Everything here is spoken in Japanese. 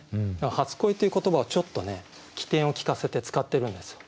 初恋っていう言葉をちょっとね機転を利かせて使ってるんですよ。